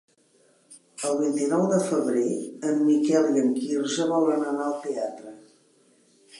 El vint-i-nou de febrer en Miquel i en Quirze volen anar al teatre.